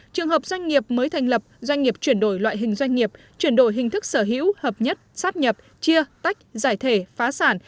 trường hợp doanh nghiệp mới thành lập doanh nghiệp chuyển đổi loại hình doanh nghiệp chuyển đổi hình thức sở hữu hợp nhất sát nhập chia tách giải thể phá sản